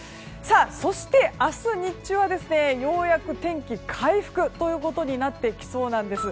そして明日日中はようやく天気回復となってきそうです。